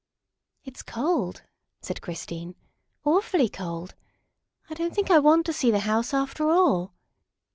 '' "It's cold," said Christine, " awfully cold. I don't think I want to see the house, after all."